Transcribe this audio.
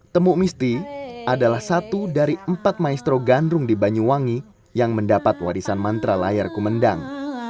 temuk misti adalah satu dari empat maestro gandrung di banyuwangi yang mendapat warisan mantra layar kumendang